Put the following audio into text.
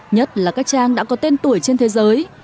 nhất là các trang đã có tên tuổi trên thế giới